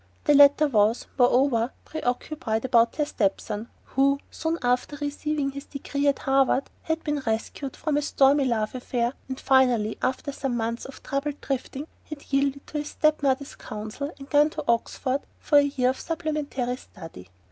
The latter was, moreover, preoccupied about her stepson, who, soon after receiving his degree at Harvard, had been rescued from a stormy love affair, and finally, after some months of troubled drifting, had yielded to his step mother's counsel and gone up to Oxford for a year of supplementary study.